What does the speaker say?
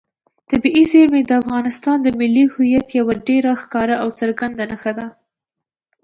طبیعي زیرمې د افغانستان د ملي هویت یوه ډېره ښکاره او څرګنده نښه ده.